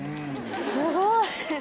すごい。